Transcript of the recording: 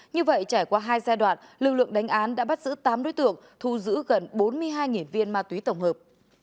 như vậy trải qua hai giai đoạn lực lượng đánh án đã bắt giữ tám đối tượng thu giữ gần bốn mươi hai viên ma túy tổng hợp